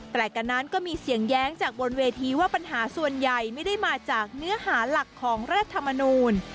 แต่กันนั้นก็มีเสียงแย้งจากบนเวทีว่าปัญหาส่วนใหญ่ไม่ได้มาจากเนื้อหาหลักของรัฐธรรมนูล